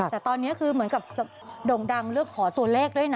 แต่ตอนนี้คือเหมือนกับโด่งดังเลือกขอตัวเลขด้วยนะ